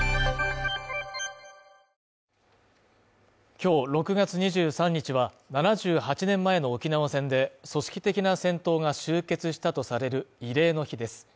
今日６月２３日は、７８年前の沖縄戦で組織的な戦闘が終結したとされる慰霊の日です